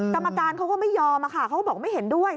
กรรมการเขาก็ไม่ยอมค่ะเขาก็บอกไม่เห็นด้วย